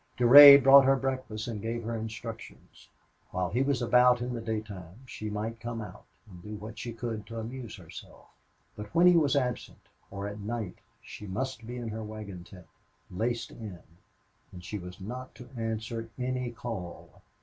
Durade brought her breakfast and gave her instructions. While he was about in the daytime she might come out and do what she could to amuse herself; but when he was absent or at night she must be in her wagon tent, laced in, and she was not to answer any call.